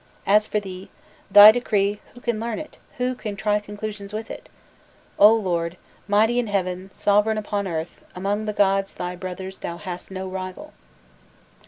As for thee, thy decree, who can learn it, who can try conclusions with it? O Lord, mighty in heaven, sovereign upon earth, among the gods thy brothers, thou hast no rival."